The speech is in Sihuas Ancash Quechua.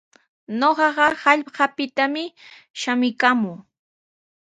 Ñuqaqa hallqapitami shamuykaamuu.